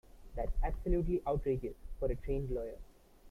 That's absolutely outrageous for a trained lawyer.